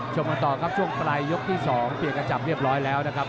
ชมกันต่อครับช่วงปลายยกที่๒เปลี่ยนกระจับเรียบร้อยแล้วนะครับ